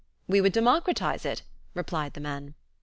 "We would democratize it," replied the men.